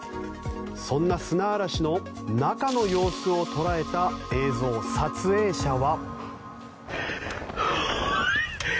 そんな砂嵐の中の様子を捉えた映像撮影者は。